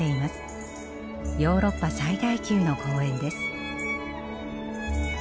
ヨーロッパ最大級の公園です。